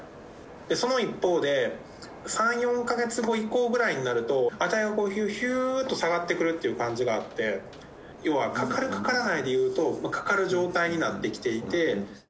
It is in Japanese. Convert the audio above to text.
その一方で、３、４か月後以降ぐらいになると、値がこう、ひゅーっと下がってくるっていう感じがあって、要はかかる、かからないでいうと、かかる状態になってきていて。